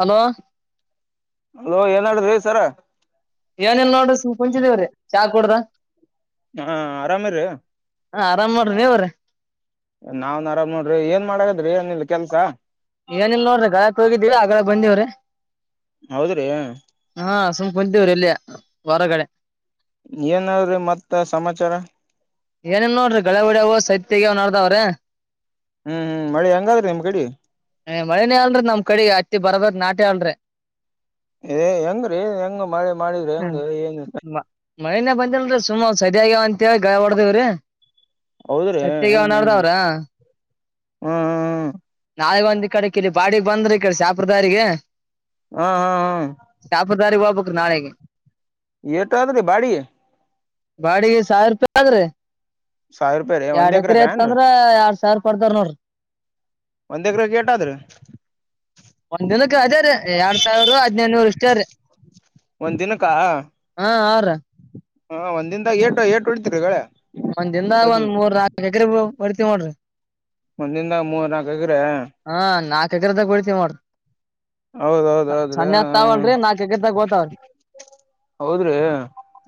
Hello hello ಏನ್ ನಡದ್ದ್ ರೀ ಸರ್ ಏನಿಲ್ಲ ನೋಡ್ರಿ ಸುಮ್ ಕುಂತಿದ್ವಿ ರೀ ಚಾ ಕೂಡದು ಹಾ ಆರಾಮ ರೀ ಹ ಆರಾಮ್ ನೋಡ್ರಿ ನೀವು ರೀ ನಾವ್ನ್ ಆರಾಮ್ ನೋಡ್ರಿ ಏನ್ ಮಾಡಾಕತ್ತಿರಿ ಏನಿಲ್ಲ ಕೆಲಸ ಏನಿಲ್ಲ ನೋಡ್ರಿ ಗಳೆಕ್ಕ್ ಹೀಗಿದ್ವಿ ಅಗಳೇ ಬಂದಿವಿರಿ ಹೌದ್ರಿ ಹಾ ಸುಮ್ಮ್ ಕುಂತಿವ್ರಿ ಇಲ್ಲೇ ಹೊರಗಡೆ ಎನ್ ನಡದಾದ್ರಿ ಮತ್ತ ಸಮಾಚಾರ ಏನಿಲ್ಲ ನೋಡ್ರಿ ಗಳೆ ಹೊಡವ ಸದಿ ತಗೆವು ನಡದವ್ರಿ ಹ್ಮ್ ಹ್ಮ್ ಮಳಿ ಹೆಂಗಾದ್ರಿ ನಿಮ್ ಕಡಿ ಹೇ ಮಳಿನೇ ಇಲ್ಲ ರೀ ನಮ್ಮ ಕಡೆ ಹತ್ತಿ ಬರೋಬ್ಬರಿ ನಟಿಲ್ಲ ಇಲ್ಲರಿ ಏ ಹೆಂಗ್ರೀ ರೀ ಹೆಂಗ ಮಳೆ ಮಾಡಿದ್ರಿ ಹೆಂಗ ಏನ್ ಇದು ಮಳನೇ ಬಂದಿಲ್ರಿ ಸುಮ್ ಸದಿ ಆಗ್ಯಾವು ಅಂತ ಹೇಳಿ ಗಳೇ ಹೊಡ್ದೇವ್ರೀ ಹೌದ್ರಿ ಸದಿ ತಗೆವು ಹ್ಮ್ ಹ್ಮ್ ನಡದಾವ ಹ್ಮ್ ರಿ ಹ್ಮ್ ಹ್ಮ್ ಈ ಕಡೆ ಕಿಲ್ಲಿ ಬಾಡಿಗೆ ಬಂದಾದ್ರಿ ಈ ಕಡೆ ಶಹಪುರ್ ದಾರಿಗೆ ಹಾ ಹಾ ಹಾ ನಾಳಿಗೆ ಯೆಟ್ ಅದ ರೀ ಬಾಡಿಗಿ ಬಾಡಿಗೆ ಸಾವಿರ ರೂಪಾಯಿ ಆದ್ರಿ ಸಾವಿರ ರೂಪಾಯಿ ರೀ ಒಂದ್ ಎರಡ್ ಎಕರೆ ಎಕರೆಕ ಏನ್ರಿ ಇತ್ತಂದ್ರ ಎರಡ್ ಸಾವಿರ ಕೊಡ್ತಾರಾ ನೋಡ್ರಿ ಒಂದ ಎಕರೆ ಏಟಾದ್ರಿ ಒಂದಿನಕ್ಕೆ ಅದೇ ರ ಎರಡ್ ಸಾವಿರ ಹದಿನೈದು ನೂರು ಇಷ್ಟ ರೀ ಒಂದ್ ದಿನಕ್ಕ ಹಾ ಹಾ ಅವ್ರ ಹಾ ಒಂದಿನದಾಗ ಏಟು ಏಟು ಹೊಡಿತೀರಿ ಗಳೇ ಒಂದ್ ದಿನದ ಒಂದ್ ಮೂರ್ ನಾಲ್ಕು ಎಕರೆ ಹೊಡಿತೀವಿ ನೋಡ್ರಿ ಮುಂದಿಂದ ಮೂರ್ ನಾಕು ಆಗುತ್ತಾ ಹಾ ನಾಕು ಎಕರೆ ತಾಕ ಹೊಡ್ತಿವಿ ನೋಡ್ರಿ ಹೌದ್ ಹೌದ್ ಹೌದ್ರಿ ಸಣ್ಣ ಹಾ ಎತ್ತು ಹಾ ಆವಲ್ರಿ ನಾಕು ಎಕರೆ ತಾಕ ಹೋತಾವ್ರಿ ಹೌದ್ರಿ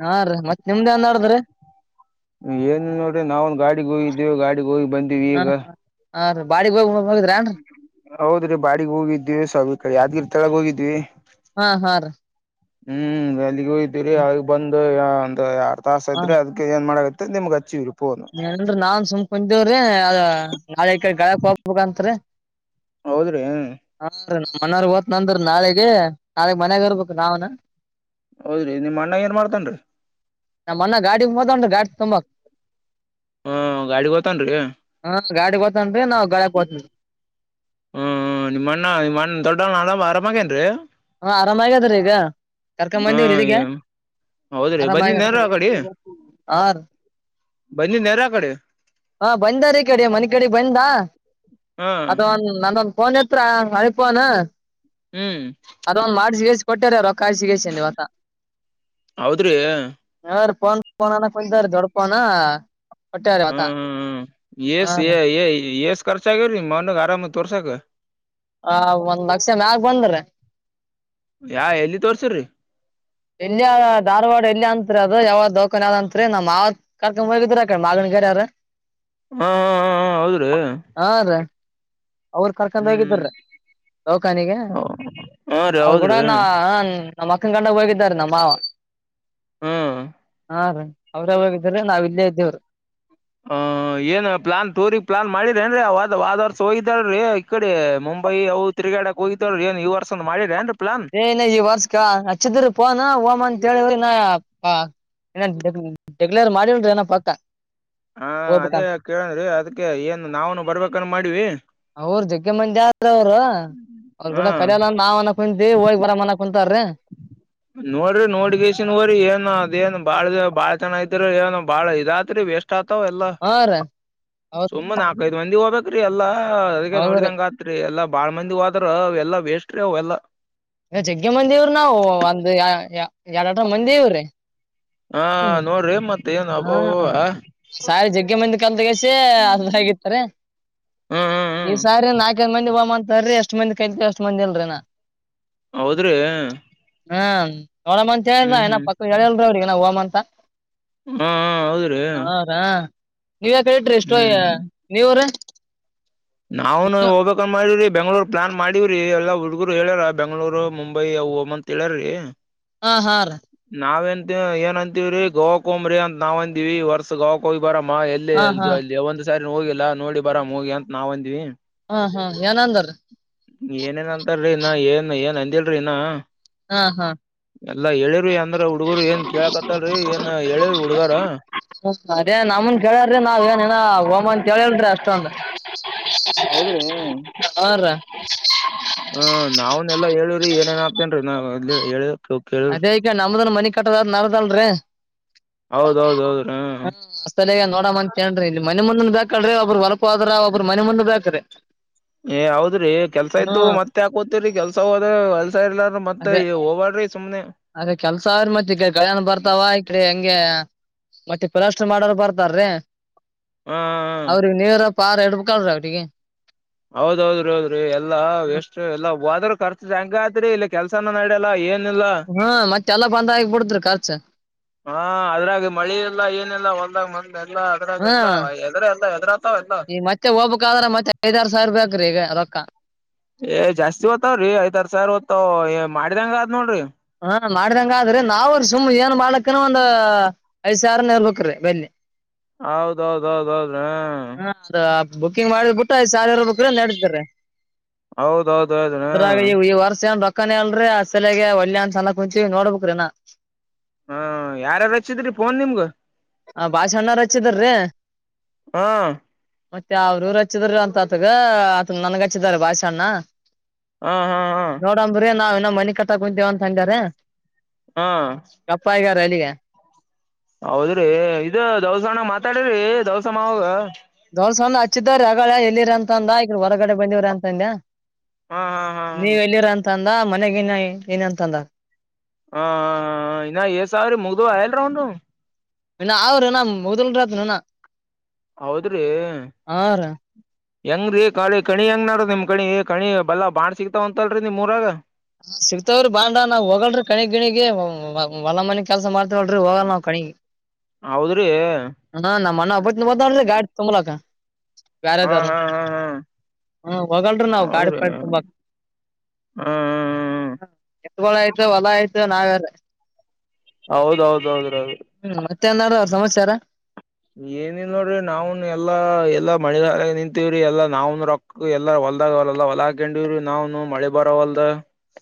ಹಾ ರೀ ಮತ್ ನಿಮ್ದ ಏನ್ ನಡದ್ರಿ ಏನು ನೋಡ್ರಿ ನಾವನ್ ಗಾಡಿಗೆ ಹೋಗಿದ್ದೇವಿ ಗಾಡಿಗಿ ಹೋಗ ಬಂದ್ವಿ ಈಗ ಹಾರಿ ಬಾಡಿಗೆ ಹೋಗಿ ಹೋಗಿದ್ರೇನ್ರಿ ಹೌದ್ರಿ ಬಾಡಿಗೆ ಹೋಗಿದ್ವಿ ಸ್ವಲ್ಪ ಕಡೆ ಯಾದ್ಗಿರ್ ತಳಗ ಹೋಗಿದ್ವಿ ಹಾ ಹಾ ರೀ ಹೂ ಅಲ್ಲಿಗಿ ಹೋಗಿದ್ವಿ ರೀ ಬಂದು ಒಂದು ಯಾಡು ತಾಸು ಆಯಿತು ರೀ ಅದಕ ಎನ್ ಮಾಡಾಕತ್ತಿರಿ ನಿಮಗ ಅಚ್ಚಿವಿ ಏನಿಲ್ಲ ರೀ ನಾವುನು ಸುಮ್ ಕುಂತಿವ್ರಿ ನಾಳಿಗಿ ಈಕಡೆ ಗಳೆಕ ಹೋಗ್ಬೇಕಂತ್ರಿ ಹೌದ್ರಿ ನಮ್ಮ ಅಣ್ಣರು ಹೋಗ್ತಿವಿ ಅಂದ್ರಿ ನಾಳಿಗೆ ನಾಳಿಗಿ ಮನ್ಯಾಗ ಇರಬೇಕ್ರಿ ನಾವುನು ಹೌದ್ರಿ ನಿಮ್ ಅಣ್ಣ ಏನ್ ಮಾಡ್ತನ್ರಿ ನ ಅನ್ನ ಗಾಡಿ ಮದನ್ ಗಾಡಿ ತುಂಬಕ್ ಹ್ಮ್ ಗಾಡಿಗ್ ಹೋತನ್ರಿ ಹಾ ಗಾಡಿ ಹತನ್ರಿ ನಾವು ಗಾಳ ಹತೇನ್ರಿ ಹ್ಮ್ ನಿಮ್ಮ ಅಣ್ಣ ನಿಮ್ಮ ಅಣ್ಣ ದೊಡ್ಡ ನಾಳ ಆರಾಮಾಗೇನ್ ಹಾ ಆರಾಮಗ್ಯದ್ರೀ ಈಗ ಕರ್ಕಂಬಂದಿರ ಇದಗ ಹ್ಮ್ ಹೌದ್ರಿ ಅರ ಬಂದಿದ್ ನೇರ ಆ ಆ ಬನ್ನಿ ನೇರ ಕಡೆ ಹಾ ಬಂದ ರೀ ಕಡೆ ಮನೆ ಕಡೆ ಬಂದ ಹಾ ಅದ ಅಂದೊಂದ್ ಫೋನ್ ಎತ್ರ ಅಣಿಪೋನ್ ಹ್ಮ್ ಅದೊ ಮಾಡಿಸಿ ಬೇಸ ಕೊಟ್ಟಾರ ರೊ ಕಾಯ ಸಿಗೆಸವತ ಹೌದ್ರಿ ಹ್ಮ್ ಯ ಫೋನಾನ ಕೊ [unintelligible] ದೊಡ್ಡಪೋಣ ಹೊಟ್ಟಾರ ಮತ [unintelligible] ಹ್ಮ್ ಹ್ಮ್ ಏಷ್ಟ ಏಷ್ಟ್ ಖರ್ಚ ಆಗ್ಯವ್ರೀ ಮನಾಗ ಆರಾಮದ ತೋರ್ಸಾಕ್ [unintelligible] ಹ ಒಂದ್ ಲಕ್ಷ ಮ್ಯಾಗ ಬಂದ್ರ ಯಾ ಎಲ್ಲಿ ತೋರ್ಸರ್ರಿ ಎಲ್ಲಿಯ ಧಾರವಾಡ ಎಲ್ಲಿ ಅಂತತ್ರಿ ಅದು ಯಾವ್ದ ದೌಖನ್ ಯಾವ್ ಅಂತ್ರಿ ನಮ್ ಆತ್ ಕರ್ಕೊಂಡ್ ಹೋಗಿದ್ರ ಮ ರರ ಹಾ ಹೌದ್ರೀ ಅವರು ಕರ್ಕೊಂಡ ಹೋಗಿದ್ರ ದೌಖಾನಿಗೆ ಹಾ ರೀ ಅ ಕೂಡ ಹೌದ್ರಿ ನ ನಮ್ಮ್ ಅಕ್ಕನ್ ಕಂಡ ಹೋಗಿದ್ದಾರೆ ನಮ್ಮವ ಹ್ಮ ಹಾ ರೀ ಅವ್ರ ಅವ್ರಾಗ ಇದ್ರ ನಾವ್ ಇಲ್ಲೇ ಇದ್ದೇವರು ಹ ಏನ್ ಪ್ಲಾನ್ ತೋರಿ ಪ್ಲಾನ್ ಮಾಡಿರಿೇನ್ರಿ ಅವ ವ್ ವರ್ಷ ಹೋಗತಳೀ ಈ ಕಡೆ ೈ [unintelligible] ಅವು ತಿರುಗಾಡಕ್ ಹೋಗ್ವ್ರ ಏನ್ ಈ ವರ್ಷ ಒಂದ ಮಾಡಿದ ಏನ್ರಿ ಅೇನ [unintelligible] ಈ ವಾರ್ಷಿಕಾ ಹಚ್ಚಿದ ಫೋನು ಅಂತ ಹೇಳಿದ್ರ ಇ ಡಿಕ್ಲೇರ್ ಮಾಡಿಲ್ಿ ನ ಪಾತ [unintelligible] ಹಾ ಅದೇ ಕೇಳನ್ಿ ಅದಕ್ಕೆ ಏನ್ ನಾವನು ಬರ್ಬೇಕನ್ ಮಾಡ್ಿವ ಅವ್ರ ಜಗ್ಗೆ ಮಂದಿ ಆದ್ರ ಅವ್ರು ಅವರು ಹಾ ಕೂಡ ಕಡಿಯಲ್ಲ ನಾವ್ ಅನ್ಕಂತೀವಿ ಹೋಗಿ ಬರ ಅಕವಿ ಬರ್ರ [unintelligible] ನೋಡ್ರಿ ನೋಡ್ಗಸನ್್ರರಿ [unintelligible] ಏನ್ ಅದ ಏನ್ ಬಾಳ ಬಾಳ್ ಚೆನ ಐತ್ರಿ ಏನ್ ಬಾಳ ಇದತ್ರಿ ವಸ್ಟ್ ಆತ್ ತಾವ [unintelligible] ಎಲ್ಲ ಹಾ ರೀ ಹೌದ್ರಿ ಸುಮಮ್ಮ ನಾಕೈದು ಮಂದಿ ಹೋಗ್ಬೇಕು ್ರೀ [unintelligible] ಎಲ್ಲಾ ಅದ ಹೌದ್ರಿ ನೋಡಿದಂಗ ಆತ್ರಿ ಎಲ್ಲಾ ಬಾಳ್ ಮಂದಿ ಹೋದ್ರ ಅವ ಎಲ್ಲಾ ವೇಷ್ಟ್ರೀ ಅವೆಲ್ಲಾ ಈ ಜಗ್ಗೆ ಮಂದಿವಿ ನಾವವು ಒಂದ್ ಎರಡ್ಟ ಮಂದಿ ಇವ್ರೀ ಹಾ ನೋಡ್ರಿ ಮತ್ತ ಏನು ಅಬ್ಬಬ ಕ ಮಂದಿ ಕಲ್ ತಗಸಿ ಹ ಹಗಿತ್ತಾರೆ ಹ್ಮ್ ಹ್ಮ್ ಈ ಹ್ಮ್ ಸಾರಿ ನಾಲ್ಕೈದು ಮಂದಿ ಹ ಬರರಿ ಎಷ್ಟ್ ಮಂದಿ ಕೈಲ್ತ್ ಅಷ್ಟ್ ಮಂದಿ ಅಲ್ರಿೀನಾ ಹೌದ್ರಿ ಹ್ಮ ನೋಡ್ ಅಂತ ಹ್ಮ್ ಹೇಳ್ರಏ ಹ್ಮ್ ಪಕ್ಕ ಹೇಳಿಲ್ರಿೀ ಅವ್ರಿಗಏನ ಹೋಮ ಅಂತ ಹಾ ಹೌದ್ರೀ ಹಾ ರಾ ನೀವ್ ಯಾಕ ಹೇಳಟ್ರಿ ಎಷ್ಟೋಯ ನೀವ್ರ ನಾವ್ನು ಹೋಗ್ಬೇಕ ಮಾಡಿ್ರಿ ಬೆಂಗ್ಳೂರ್ ಪ್ಲಾನ್ ಮಾಡಿವ್ರಿ ಎಲ್ಲ ಹುಗರು ಹೇಳ್ಯಾರ ಬೆಂಗ್ಳೂರು ಮುಂಬೈ ಅವು ಹೋಮ್ ಅಂತ ಹೇಳ್ಯಾರ್ರೀ ಹಾ ಹಾ ರೀ ಏನ್ ಅಂತೀವ್ರೀ ಗೋಕಂಬ್ರಿ ಅಂತ ನಾವ್ ಅಂದಿವವಿ ವರ್ಷ ಗೋಕ ಬರಮ್ಮ ಎಲ್ಲಿೇ ಹಾ ಹಾ ಎಲ್ತು ಅಲ್ಲಿ ಒಂದ್ ಸಾರಿ ಹೋಗಿಲ್ಲಾ ನೋಡಿ ಬರಾಮ ಹೋಗಿ ಅಂತ ನಾವ್ ಅಂದ್ವಿ ಹಾ ಹಾ ಏನಂದ್ರ ಏನೇನ್ ಅಂತಲ್ರಿ ಇನ್ನ ಏನ್ ಏನ್ ಅಂದಿಲ್ರಿ ಇನ್ನ ಹಾ ಹಾ ಎಲ್ಲಾ ಹೇಳಿರಿ ಅಂದ್ರ ಉಡು ಅವ್ರ ಏನ್ ಕೇಳಕತ್ತಲ್ರಿ ಏನ್ ಹೇಳೇರಿ ಹುಡ್ಗಾರ ಹ ಹೋಮ ಅಂತ ಹೇಳ್ರಿ ಅಷ್ಟೊಂದು ಹೌದ್ರಿ ಹ [unintelligible] ಹ ನಾವನೆಲ್ಲಾ ಹೇಳಿವವ್ರಿ ಏನೇನ್ ಆಗ್ತೇನ್ೀ [unintelligible] ನಾವ ಹೇಳ ಕೇಳವ್ರಿ ಅದೇಕ [unintelligible] ನಮ್ದನ್ ಮನಿ ಕಟ್ಟದಾದ್ ನಾ್ದಲ್ರಿೀ ಹೌದೌದೌದ್ರ ತ ನೋಡ ಅಂತೇನ್್ರಿ [unintelligible] ಇಲ್ಲಿ ಮನೆ ಮುಂದ ಬೇಕಳ್ರರಿ ಒಬ್್ರರು ಹೊಳಪೋದ್ರ ಒಬ್್ರ ಮನೆ ಮುಂದ ಬೇಕ್ರೀ ಏ ಹೌದ್ರಿ ಕೆಲ್ಸ ಇದ್ದು ಮತ್ತೆ ಆಕೋತಿರಿ ಕೆಲ್ಸ ಹೋದ ಹೊಲ್ಸ ಇಲ್ಲ್ರ ಮತ್ತೆ ಹೋಗಬ ಸುಮ್ಮನೆ ಅ ಕೆಲ್ಸ ಅವ್ರ ಮತ್ ಈಗ ಗಳನ ಬರ್ತಾವ ಈಡೆ ಹೆಂಗ ಮತ್ತೆ ಪಲಾಸ್ಟರ್ ಮಾಡೋರು ಬರ್ತಾರೀ ಹಾ ಅವ್ರ ನೀವರ ಪಾ ರೇಡುಕಲು ರ ೆ [unintelligible] ಹೌದೌದ್ರಿ ಹೌದ್ರಿ ಎಲ್ಲಾ ಎಷ್ಟು ಎಲ್ಲಾ ಹೋದ್ರ ಖರ್ು ಹೆಂಗ ಆಯತ್ರಿ ಇಲ್ಲಿ ಕೆಲ್ಸನ ನಡ್ಯಲ್ಲ ಏ ಹ್ಮ ಮತ್ತೆ ಎಲ್ಲ ಬಂದ ಆಗ್ಬ ಬಿಡದ್ರರು ಖರ್ಚ ಹಾ ಅದ್ರಾಗಿ ಮಳಿ ಎಲ್ಲ ಏನಲ್ಲ ಹೊಲ್ದಾಗ್ ಮಂದ ಎಲ್ಲ ಅದ್ರಾಗ ಎಲ್ಲ ಎದ್ರ ಎಲ್ಲ ಎದ್ರತವ ಈ ಮತ್ತೆ ಹೋಗಬಕ್ಾದ್ರ ಮತ್ತೆ ಐದಾರು ಸಾವಿರ ಬೇಕಕ್್ರೀ ಈಗ ರದೊಕ್ಕ ಏ್ ಜಾಸ್ತಿ ಓ್ತಾವ್ರಿ ಐದ ಆರ್ ಸಾವಿರ ದ್ತಏ ಮಾಡಿದಂಗ ಅ ಆದ್ ನೋಡ್ರಿ ಹಾ ಮಾಡಿದಂಗ ಆದ್ರಿ ನಾವ್ ಸುಮ್ ಏನ್ ಬಾಳಕ್ಕನ ಒಂದ ಐದು್ ಸಾವರ ನ ಇರ್ಬೇಕಕ್ರಿ ಬೆನ್ನಿ ಹೌದೌದ್ೌದೌದ ಹ ಬುಕಿಂಗ್ ಮಾಡ್ ಬಿುಟ್ಟ ಾವಿರ ಕ ನಡಿದ್ದಾರೆ ಹೌದೌದೌದ್ರಿ ಅದರಾಗಿ ಈ ವರ್ಷ ಡಾಕ್ ಅಕ್ಕಾನ ಅಲ್ರಿ ಆ ಸಲಗೆ ಒಳ್ಳಯ ಅನ್ ಸನಕ್ ಕುಂಚಿ ನೋಡ್ಬಬೇಕಕ್್ರೀನಾ ಹಾ ಹ ಯಾರಾರು ಹಚ್ಚಿದ್ರಿ ಫೋನ್ ನಿಮ್ಗ ಆ ಭಾಷಣ್ಣವ್ರ ಹಚ್ಚಿದ್ರಿ ಹಾಂ ಮತ್ತೆ ಅವ್ರೂರು ಹಚ್ಚಿದರು ಅಂತ ಅತ್ಗ ಆತನ ನನ್ಗ ಹಚ್ಚಿದಾರ ಭಾಷಣ್ಣ ಹಾ ಹಾ ಹಾ ನ ಮನೆ ಕ ತಾ ಕುೊಂತೀವ ಅಂತ ಹಂಗಾರ ಹಾ ವಲಿಿಗೆ ಹೌದ್ರಿ ಇದು ದವಸಾನ ಮಾತಾಡ್ರಿ ದವಸಮ ಹೋಗ ದೋರ್ಸಂದ ಹಚ್ಚಿದ್ರ ಹಾಗಗಳ ಎಲ್ಲಿರ ಅಂತಂದ ಈಗ್ರ ಹೊರಗಡೆ ಬಂದಿವ್ರ ಅಂತಂದ ಹಾ ಹಾ ಹಾ ಹಾ ಂತಂದ ಮನೆಗ ನ್ ಏನಂತಂದ ಹ ಇನ್ನ ಸಾವ್ರ ಮುಗ್ದ ಆಯಲ್ ರೌಂಡು ಅವರುಣ ಮುದಲ್ರತ್ನುಣ ಹೌದ್ರೀ ರೀ ಹೆಂಗ ರೀ ಕಾಳಿ ಕಣಿ ಹೆಂಗ ನಡ ನಿಮ್ ಕಣಿ ಕಣಿ ಬಲ್ಲಾ ಬಾಣ್ ಸಿಗ್ತಾವ ಅಂತಲ್ರರಿ ನಿಮ್ ಊರಾಗ ಹ ಸಿಗ್ತವ್ರಿ ಬಾಂಡ ನಾವ್ ಹೋಗಲ್ರರಿ ಕಣಿಗ್ ಗಣಿಗ ಹೊಲ ಮನಿಗ್ ಕೆಲ್ಸ ಮಾಡ್ತೇವಲ್ರಿ ಹೋಗಲ್ ನಾವ್ ಕಣ [unintelligible] ಹೌದ್ರಿ ಹಾ ನ ಮನ್ನಬ ಗಾಡ್ ತಂಬಲಕ ಹಾ ಬ್ಯಾರದಾರು ಹಾ ಹಾ ಹಾ ಹ ಹೋಗಲ್ರಿ ನಾವವು ಗಾಡಿ ಹೌದ್ರಿ ಪಾಡಿ ಹ್ಮ್ ತುಂಬಾ ಹ್ಮ್ ಹ್ ಹ ಎತ್ಗಳ ಆಯ್ತ ಹೊಲ ಆಯ್ತ ನಾವ್ಯಾರ ಹೌದೌದೌದೌದು ಹ್ಮ ಮತ್ತೆನಾರ ಅವ್ರ ಸಮಸಚಾರ ಏನಿಲ್ಲ ನೋಡ್ರಿ ನಾವ್ನ್ ಎಲ್ಲಾ ಎಲ್ಲಾ ಮಣಿಲ ನಿಂತೀವ್ರಿ ಎಲ್ಲಾ ನಾವನ್ ರೊಕ್ಕ ಎಲ್ಲಾರ ಹೊಲ್ದಾಗ ಅವಲ್ಲಾ ಹೊಲ ಹಕೊಂಡಿವವ್ರೀ ನಾವ್ನು ಮಳಿ ಬರ ಹೊಲ್ದ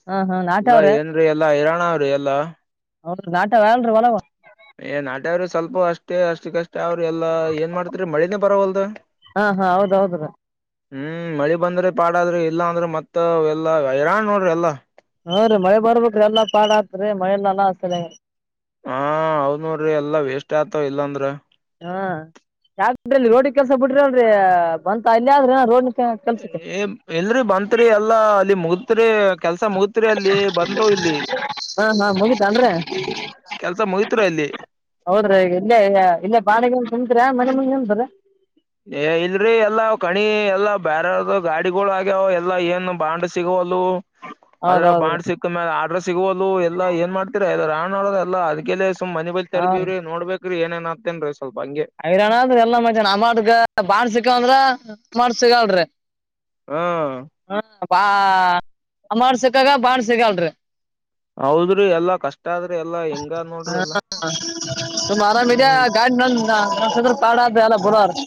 ಹಾ ಹಾ ಇಲ್ಲ ನಾಟ್ಯಾವ್ರಿ ಏನ್ ಎಲ್ಲಾ ಹೈರಾಣ ಅವ್ರಿ ಎಲ್ಲಾ ಅವ್ರ ನಾಟ ಹೇಳ ಒಲವ ಏ ನಾಟ್ಯ್ರರು ಸ್ವಲ್ಪ ಅಷ್ಟೇ ಅಷ್ಟಕ್ಕಷ್ಟೇ ಅವ್ರ ಎಲ್ಲಾ ಏನ್ ಮಾಡ್ತರಿ ಮಳಿನೇ ಪರವಲ್ದ ಹಾ ಹಾ ಹೌದ್ ಹೌದುದ ಹ್ಮ್ ಮಳಿ ಬಂದ್ರಿ ಪಾಡ ಆದ್ರಿ ಇಲ್ಲಾ ಅಂದ್ರೆ ಮತ್ ಎಲ್ಲಾ ಹೈರಾಣ ನೋಡ್ರಿ ಎಲ್ಲಾ ಹಾ ರೀ ಮಳೆ ಬರ್ಬೇಕ್ರ ಎಲ್ಲ ಪಾಡ್ ಹತ್ ರೀ ಮಳೆಲ್ಲಲ್ಲಾ ಆತ ಹಾ ಹೌದನೂಡ್ರಿ ಎಲ್ಲಾ ವೇಸ್ಟ್ ಆತವ ಇಲ್ಲಾಂದ್ರ ಕೆಲಸ ಬಿಟ್ರಿ ಅಲ್ರಿ ಬಂತ ಅಲ್ಲಿ ಆದ್ರೆ ರೋಡ್ ಕೆಲ್ಸ ಏ ಎಲ್ರಿ ಬತ್ರಿ ಎಲ್ಲಾ ಅಲ್ಲಿ ಮುಗತ್ರಿ ಕೆಲ್ಸ ಮುಗತ್ರಿ ಅಲ್ಲಿ ಬಂತು ಇಲ್ಲಿ ಹಾ ಹಾ ಕೆಲ್ಸ ಮುಗತ್ ಹೌದ್ರೀ ಈಗ ಇಲ್ಲೇ ಇಲ್ಲೇ ಬಾಣಗ ತಿಂತರಿ ಮನೆ ಮಂದ ಎಂತರ ಏ ಇಲ್ರಿ ಎಲ್ಲಾ ಕಣಿ ಎಲ್ಲಾ ಬ್ಯಾರೆ ಅವ್ರ್ದು ಗಾಡಿಗಳು ಆಗ್ಯಾವ ಎಲ್ಲಾ ಏನ್ ಬಾಂಡ್ ಸಿಗೋ ಹಲೋ ಅದ್ರ ಹೌದೌದ್ರಿ ಬಾಂಡ್ ಸಿಕ್ಮ್ಯ ಅಡ್ರ ಸಿಗೋವಲ್ಲು ಎಲ್ಲಾ ಏನ್ ಮಾಡ್ತಿರ ಇದು ರಾಣ್ ಒಳದಲ್ಲ ಅದ್ಕೆ ಮನಿ ಬಂದ್ ಹಾ ತಲ್ಪಿವ್ರಿ ನೋಡ್ಬೇಕ್ ರಿ ಏನೇನ್ ಆಗ್ತದ್ ಅಂತ ಹಿರಣ್ಣ ಅಂದ್ರ ಎಲ್ಲ ಮಜ್ಯಾನ ನ ಮಾಡಗ ಬಾಣಸಿಕಂದ್ರ ಮಾಡ್ ಸಿಗಲರೀ. ಹಾ ಬಾ ಅಮೊಂಟ್ ಸಿಕ್ಕಾಗ ಬಾಂಡ್ ಸಿಗಲ್ರೀ ಹೌದ್ರಿ ಎಲ್ಲಾ ಕಷ್ಟ ಆದ್ರಿ ಎಲ್ಲಾ ಹೆಂಗ ನೋಡ್ರಿ ಹಾ ಎಲ್ಲಾ ಹಾ ಹ್ಮ್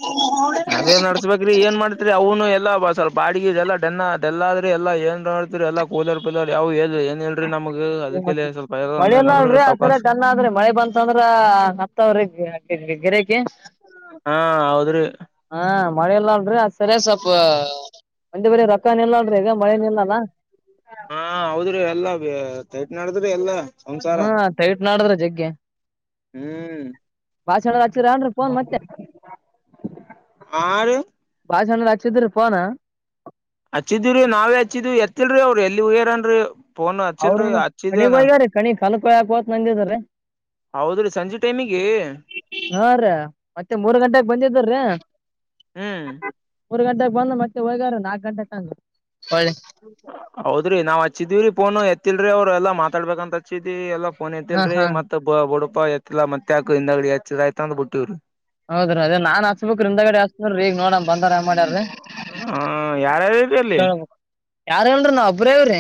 [unintelligible] [unintelligible] ಅದೇ ನಡ್ಸ್ಬೇಕ್ರಿ ಏನ್ ಮಾಡ್ತಿರಿ ಅವು ಕೆ ಇಲ್ಲ ಬಾ ಸರ್ ಬಾಡಿಗೆ ಇ ಎಲ್ಲ ಡೆನ್ನ ಡೆಲ್ಲ ಆದ್ರೆ ಎಲ್ಲ ಏನ್ ಮಾಡೋಡ್ತರಿ ಎಲ್ಲ ಕೂಲರ್ ಪೀಲರ್ ಯಾವ ಹೇಳಲ್ರಿ ಏನ್ ಹೇಳಲ್ರಿ ನಮಗ. ಅದಕ್ಕೆಲ್ಲ ಸ್ವಲ್ಪ [inaudible] ಮಳೆಲ್ಲ ಅಲ್ರಿ ನಡದ್ರಿ ಆ ಸರ ಸಾವಕಾಶ ಕನ್ನ ಆದ್ರಿ ಮಳೆ ಬಂತ ಅಂದ್ರ ಹತ್ತವ್ರಗ್. ಗಿರಕಿ ಹಾ ಹೌದ್ರಿ ಹಾ ಮಳೆಲ್ಲ ಅಲ್ರಿ ಸರಿ ಸ್ವಲ್ಪ ಒಂದೆ ಬರ ರೊಕ್ಕಾನ ಎಲ್ಲ [unintelligible] ಈಗ ಮಳೆನ ಇಲ್ಲಲ್ಲ ಹಾ ಹೌದ್ರಿ ಎಲ್ಲಾ ಟೈಟ್ ನಡ್ದ್ರಿ ಎಲ್ಲ ಹಾ ಟೈಟ್ ನಡ್ದ್ರಿ ಜಗ್ಗೆ ಹ್ಮು ಭಾಷಣ್ಣಗ್ ಹಚ್ರ ಅಂದ್ರ ಫೋನ್ ಮತ್ತೆ ಹಾ ರೀ ಭಾಷಣ್ಣ ಹಚ್ಚಿದ್ರಿ ಪೋನ ಹಚ್ಚಿದ್ದಿವ್ ರೀ ನಾವೇ ಹಚ್ಚಿದ್ವಿ ಎತ್ತಿಲ್ರಿ ಅವ್ರು ಎಲ್ಲಿ ಹೊಗ್ಯರೇನ್ರಿ ಅವರು ಕಣಿಗ್ ಹೋಗ್ಯಾರೆ ಕಣಿಗ್ ಕಲ್ಕಕವತ್ ನಂದಿದರಿ. ಹೌದ್ರೀ ಸಂಜೆ ಟೈಮಿಗೆ ಹಾ ರೀ ಮತ್ತೆ ಮೂರ್ ಗಂಟೆಗೆ ಬಂದಿದ್ದರ್ರಿ ಹ್ಮ ಮೂರ್ ಗಂಟೆಗ್ ಬಂದ್ ಮತ್ತೆ ಹೋಗ್ಯಾರ ನಾಕ್ ಗಂಟೆಗ್ ಅಂಗ ಹೌದ್ರಿ ನಾವ್ ಹಚ್ಚಿದ್ವಿರೀ ಫೋನ್ ಎತ್ತಿಲ್ರಿ ಅವ್ರು ಎಲ್ಲಾ ಮಾತಾಡ್ಬೇಕಂತ್ ಹಚ್ಚಿದ್ವಿ ಫೋನ್ ಹಾ ಎಂತಲ್ರಿ ಹಾ ಮತ್ ಬಡಪಾ ಎತ್ತಿಲ್ಲ ಮತ್ತೆಾಕ ಹಿಂದಗಡಿ ಎಚ್ಚಿದ ಆಯ್ತಂದ್ ಬಿಟ್ಟವ್ರಿ. ಹೌದ್ರಿ ಅದೇ ನಾನ್ ಹಚ್ಬೇಕ್ರಿ ಹಿಂದಗಡೆ ಹಚ್ಚಿನ್ರಿ ಈಗ ನೋಡಮ್ ಬಂದಾರ ಏನ್ ಮಾಡ್ಯಾರ್ರಿ ಹ್ಮ ಹ್ಮ ಯಾರ್ [unintelligible] ಯಾರ ಇಲ್ಲ ರಿ ನಾವ ಒಬ್ರ ಇವ್ರಿ.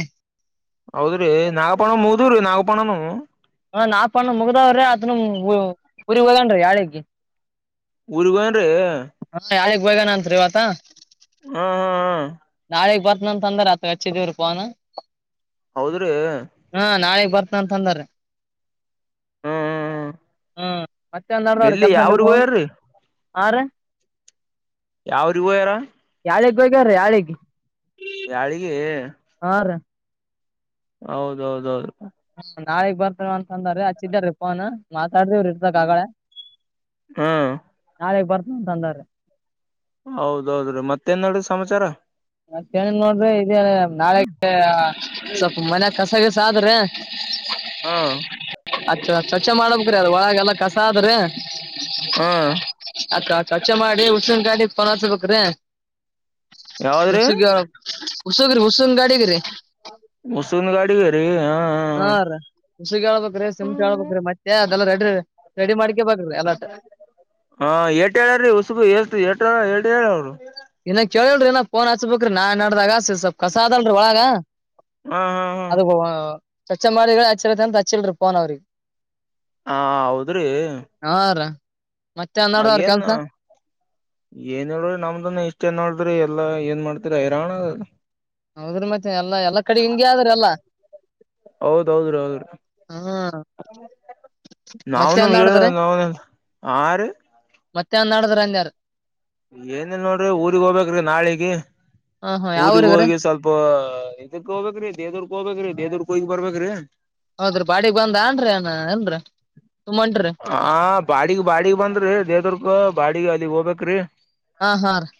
ಹೌದ್ರಿ ನಾಗಪಣ ಮುಗದುರಿ ನಾಗಪಣನು. ಹ ನಾಪಣ್ಣ ಮುಗ್ದಾವ್ರೆ ಅತನು ಉರಿ ಹದನ್ ಯಾಳಗೆ. ಊರಿಗ್ ಹೋಗನ್ರೀ ಹಾ ಯಾರಿಗೆ ಅಂಜಗಿಲ್ಲ ಅಂತ್ರಿ ಆತಾ. ಹ್ಮ ಹ್ಮ ಹ್ಮ್ ನಾಳೆ ಬರ್ತನ ಅಂತ ಅಂದ ರಾತ್ರಿ ಹಚ್ಚಿದ್ರಿ ಫೋನು. ಹೌದ್ರೀ ಬರ್ತ್ನ್ ಅಂತ್ ಅಂದಾರ್ರಿ ಹ್ಮ್ ಹ್ಮ್ ಹ್ಮ್ ಮತ್ತ ಏನ್ ನಡದಾವ್ರಿ ಎಲ್ಲಿ ಕೆಲ್ಸ ಯಾವ್ರಗ ನಿಮ್ಮು ಹೋಯಾರ್ರಿ ಹಾರಿ. ಯಾವ್ ಊರಿಗ್ ಹೋಗ್ಯಾರ ಆಳಿಗೆ ಹೋಗ್ಯಾರ್ರಿ ಆಳಿಗ್ಗೆ. ಯಾಳ್ಗೀ ರ ಹೌದೌದೌದು ನಾಳಗ್ ಬರ್ತವ ಅಂತ ಅಂದ್ರ ಹಚ್ಚಿದ್ದಾರೀ ಫೋನು ಸರ್ದವರು ಇರ್ತಕ್ ಆಗಲ್ಲ ಹ್ಮ್ ನಾಳಗ್ ಬರ್ತಂತಂದ್ರ. ಹೌದೌದ್ರೀ ಮತ್ತೇನ್ರಿ ಸಮಾಚಾರ ಮತ್ ಏನ್ ನೋಡ್ರಿ ಇದೇ ನಾಳಿಕೆ ಸ್ವಲ್ಪ ಮನೆ ಕಸಗಿಸ ಆದ್ರೆ ಹ್ಮ್ಮ ಅದ್ ಸ್ವಚ್ಛ ಮಾಡ್ಬೇಕ್ರೀ ಅದ ಒಳಗೆ ಎಲ್ಲಾ ಕಸ ಆದ್ರೀ ಹಾ ಸ್ವಛ ಮಾಡಿ ಹುಷನ್ ಕಾಡಿ ಕನಾರ್ಸಬೇಕ್ರೀ ಯಾವದ್ರಿ ಹುಸುಗ ಹುಸುಗ್ರಿ ಉುಸು ಗಾಡಿಗೆ ರೀ ವಸುನ್ ಗಾಡಿಗೆ ರೀ ಹಾ ಹಾ ರೀ ಉಸಿಗೆ ಹೇಳ್ಬೇಕ್ರಿ ಸಿಮ್ ಹಳ್ಬೇಕ ಮತ್ತೆ ಅದೆಲ್ಲಾ ರೆಡಿ ರೆಡಿ ಮಾಡ್ಕೇ ಬ್ರಿ ಹಾ ಏಟ ಹೇಳ್ರಿ ಉಸುಬು ಎಳ್ತ ಹೇಳರು ಇನ್ನ ಕೇಳಲ್ರಿ ಇನ ಹಚ್ಬೇಕನಾ ನಡ್ದಾಗ ಸ್ವಪ್ ಕಸ ಆದದಲ್ರರಿ ಒಳ ಹಾ ಹಾ ಹಾ ಚರ್ಚೆ ಮಾಡಿದ್ರ ಅಚ್ಚಿತೆ ಅಂತ ಹಚ್ಚಿಲ್ರಿ ಪೋನ್ ಅವ್ರಿಗೆ ಹಾ ಹೌದ್ರಿ ಹಾ ರೀ ಮತ್ತೆ ಆ ಹನ್ನೆರಡು ಅವ್ರ ಏನ್ ಕೆಲ್ಸ ಏನ್ ಹೇಳ್ರಿ ನಮ್ದನ್ನು ಇಷ್ಟ ಚೆ ನೋಡ್ರಿ ಎಲ್ಲಾ ಏನ್ ಮಾಡ್ತತಿರ ಹೈರಾಣ ಹೌದ್ರ ಮತ್ತೆ ಎಲ್ಲಾ ಎಲ್ಲಾ ಕಡೆ ಹಿಂಗೆ ಆದ್ರ ಎಲ್ಲಾ ಹೌದ್ದ್ರಿ ಹೌದ್ರೀ ಹ್ಮ್ ಮತ್ತೆ ನವುನು ಏಳು ಹನ್ನೆರಡ್ದ್ರಿ ನನು ಆರು ಮತ್ತೆ ಅಂದಾಡದ್ರ ಅಂದಾರ ಏನ ನೋಡ್ರಿ ಊರಿಗೆಗ್ ಹೋಗ್ಬೇಕ್ರಿ ನಾಳಿಗೆ ಹಾ ಹಾ ಯಾವ ಊರಿಗೆಗ ಊರಿಗ್ರಿ ಹೋಗಿ ಸ್ವಲ್ಪ ಇದಕ ಹೋಗಬೇಕ್ರೀದರ್ಕ ಹೋಗಬೇಕ್ರೀ ದ್ರ ಕೊಯ ಬರ್ಬೇಕ್ರೀ ಹೌದ್ರೀ ಬಾಡಿಗೆ ಬಂದ ಆನ್ರೀ ಅ ಏನ್ರ ಹ ಬಾಡಗ್ ಬಾಡಿಗೆ ಬಂದ್ರಿ ದೇದರ್ಗ ಬಾಡಿ ಅಲ್ಲಿಗ್ ಹೋಗಬೇಕೇರಿ ಹಾ ಹಾ ರ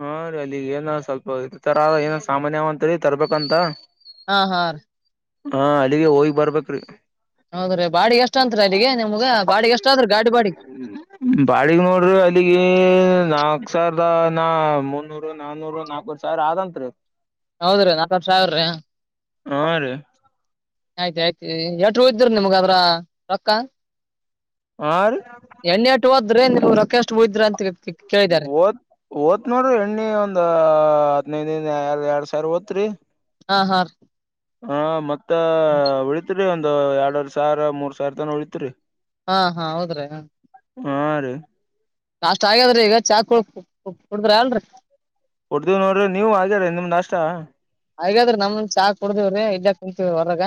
ಹಾ ರೀ ಅಲ್ಲಿಗ್ ಏನ ಸ್ವಲ್ಪರ ಏನ ಸಾಮಾನ್ಯಂತರಿ ತರ್ಬೇಕಂತ ಹಾ ಹಾ ರ ಹಾ ಅಲ್ಲಿಗೆ ಹೋಗಿ ಬರ್ಬೇಕ್ರಿ ಹೌದ್ರೀ ಬಾಡಿ ಎಷ್ಟ ಅಂತ ನಿಮ್ಗ ಬಾ ಬಾಳಗ್ ನೋಡ್ರಿ ಅಲ್ಲಿಗೆ ನಾಕ್ಸರ್ದ ಮುನ್ನೂರು ನನ್ನೂರು ನಾರು ಸಾವಿರ ಆದಂತ್ರಿ ಹೌದ್ರೀ ನಾಕತ್ ಸಾವಿರ ರೀ ಹಾ ರೀ ಆಯ್ತ ಆಯ್ತ ಎಷ್ಟ ರೂ ಇದ್ದ್ರ ನಿಮ್ಗ ಅದ್ರ ರೊಕ್ಕ ಆ ಎಣ್ಣೆ ಎಷ್ಟ್ ಹೋದ್ರಿ ನೀವು ರೊಕ್ಕಷ್ಟುದ್ರ ಅಂತ ಕೇತಿ ಓತ್ ಓದತ್ ನೋಡ್ರಿ ಎಣ್ಣಿ ಒಂದ ಹದನೈದ ದ ಯರ ಸರ್ವತ್ರರಿ ಹಾ ಹಾ ಹ ಮತ್ತ ಉಳತ್ರಿ ಒಂದು ಎರಡರ್ ಸಾವಿರ ಮೂರ್ ಸಾವಿರ ತನ ಉಳತ್ರಿ ಹಾ ಹಾ ಹೌದ್ರೀ ಹಾ ರ ನಾಷ್ಟ ಆಗ್ಯದ್ರೀ ಈಗ ಚಾಕ್ ಕುಡದ್ರ ಅಲ್ರಿ ಕುಡ್ದ್ ನೋಡ್ರಿ ನೀವು ಹಾಗಗ್ಯಾರ ನಿಮ್ ನಾಷ್ಟ ಹಾಗೆದ್ರಿ ನಮ ನು ಚಾ ಕುಡದಿವವ್ರೀ ಇಲ್ಲೆ ಕುಂತವವಿ ಹೊರಗ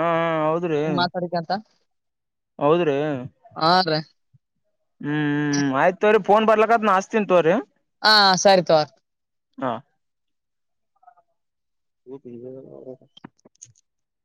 ಹಾ ಹೌದ್ರಿ ಸುಮ್ ಮಾತಆಡಿಕಂತ ಹೌದ್ರಿ ಹಾ ರೀ ಹ್ಮ್ ಆಯ್ತವ್ರಿ ೋನ್ ಬರ್ಲಕ್ಕತ್ ನ ಅಸ್ತಿ ತಿನ್ಂತವ್ರಿ [unintelligible] ಹಾ ಸರಿ ತೂರಿ ಹಾ [unintelligible] [unintelligible]